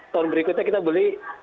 tahun berikutnya kita beli